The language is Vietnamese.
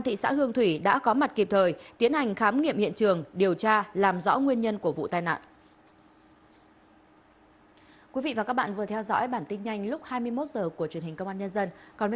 tiến hành khám nghiệm hiện trường điều tra làm rõ nguyên nhân của vụ tai nạn